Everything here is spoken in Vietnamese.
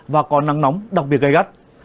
và có nắng nóng đặc biệt gây gắt